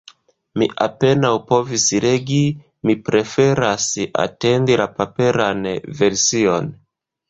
Mi apenaŭ povis legi, mi preferas atendi la paperan version.